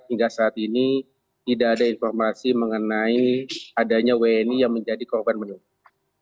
hingga saat ini tidak ada informasi mengenai adanya wni yang menjadi korban meninggal